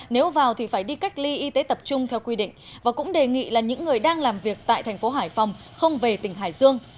nếu vào thì phải đi cách ly y tế tập trung theo quy định và cũng đề nghị là những người đang làm việc tại thành phố hải phòng không về tỉnh hải dương